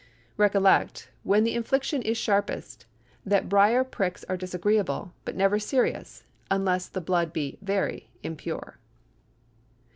Recollect, when the infliction is sharpest, that brier pricks are disagreeable, but never serious, unless the blood be very impure.